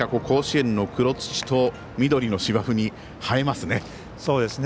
甲子園の黒土と緑の芝生に映えますね。